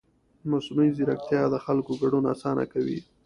مصنوعي ځیرکتیا د خلکو ګډون اسانه کوي.